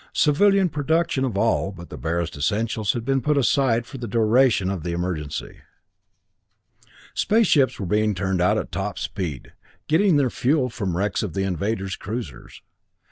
Civilian production of all but the barest essentials had been put aside for the duration of the emergency. Space ships were being turned out at top speed, getting their fuel from the wrecks of the invaders' cruisers.